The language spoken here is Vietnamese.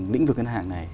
lĩnh vực ngân hàng này